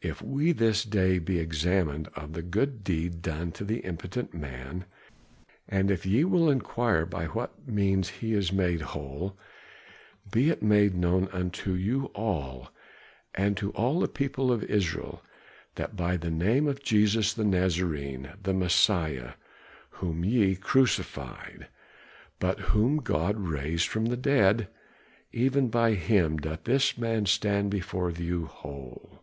"If we this day be examined of the good deed done to the impotent man, and if ye will inquire by what means he is made whole, be it known unto you all and to all the people of Israel, that by the name of Jesus the Nazarene, the Messiah, whom ye crucified but whom God raised from the dead, even by him doth this man stand here before you whole.